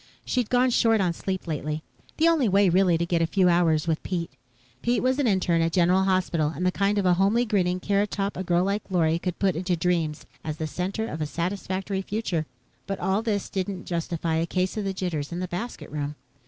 She'd gone short on sleep lately the only way, really, to get a few hours with Pete. Pete was an interne at General Hospital, and the kind of a homely grinning carrot top a girl like Lorry could put into dreams as the center of a satisfactory future. But all this didn't justify a case of jitters in the "basket room."